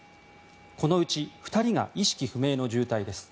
このうち２人が意識不明の重体です。